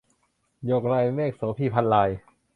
หยกลายเมฆ - โสภี พรรณราย